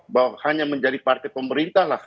bahwa hanya menjadi partai pemerintah lah